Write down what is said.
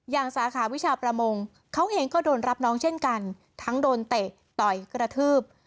สาขาวิชาประมงเขาเองก็โดนรับน้องเช่นกันทั้งโดนเตะต่อยกระทืบ